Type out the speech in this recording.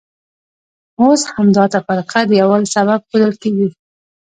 اوس همدا تفرقه د یووالي سبب ښودل کېږي.